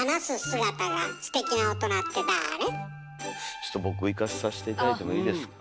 ちょっと僕いかさせて頂いてもいいですか？